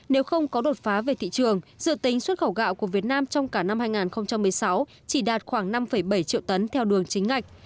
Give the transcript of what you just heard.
nếu không có đột phá về thị trường dự tính xuất khẩu gạo của việt nam trong cả năm hai nghìn một mươi sáu chỉ đạt khoảng năm bảy triệu tấn theo đường chính ngạch